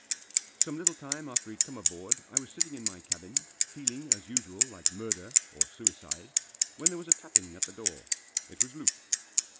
Some little time after he'd come aboard I was sitting in my cabin, feeling, as usual, like murder or suicide, when there was a tapping at the door. It was Luke.